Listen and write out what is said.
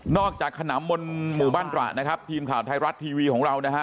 จากขนำมนต์หมู่บ้านตระนะครับทีมข่าวไทยรัฐทีวีของเรานะฮะ